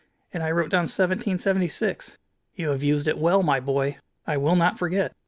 And I wrote down 'Seventeen seventy six.' You have used it well, my boy. I will not forget."